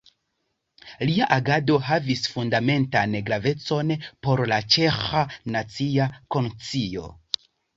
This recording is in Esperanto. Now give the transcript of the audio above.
Lia agado havis fundamentan gravecon por la ĉeĥa nacia konscio.